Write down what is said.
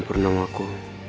bulan kenal aku